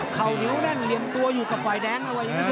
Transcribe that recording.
เข้าเน้วแน่นเรียนตัวอยู่กับฝ่ายแดง